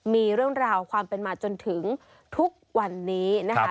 มีเรื่องราวความเป็นมาจนถึงทุกวันนี้นะคะ